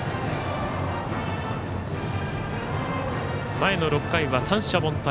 前の６回は三者凡退。